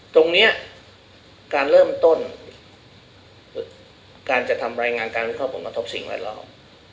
ตรงนี้การเริ่มต้นการจะทำรายงานการมีข้อมูลกับทบสิ่งหลายล้อม